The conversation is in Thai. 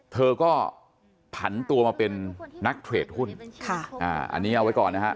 เธอก็ผันตัวมาเป็นนักเทรดหุ้นค่ะอ่าอันนี้เอาไว้ก่อนนะฮะ